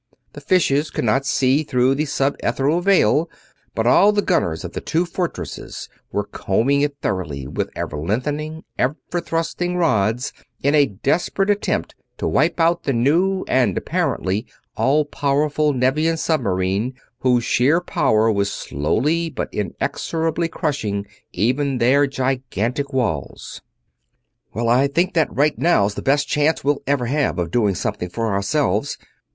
The fishes could not see through the sub ethereal veil, but all the gunners of the two fortresses were combing it thoroughly with ever lengthening, ever thrusting rods, in a desperate attempt to wipe out the new and apparently all powerful Nevian submarine whose sheer power was slowly but inexorably crushing even their gigantic walls. "Well, I think that right now's the best chance we'll ever have of doing something for ourselves."